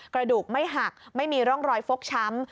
กระดูกไม่หักไม่มีร่องรอยฟกช้ำ